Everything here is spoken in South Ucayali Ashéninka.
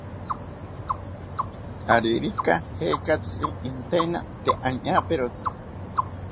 Aririka jekatzari inteini tee añaperotzi